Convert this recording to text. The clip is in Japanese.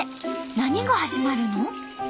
何が始まるの？